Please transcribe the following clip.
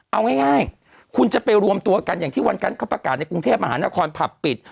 เอาง่ายคุณจะไปรวมตัวกันอย่างที่วันนั้นเขาประกาศในกรุงเทพมหานครผับปิด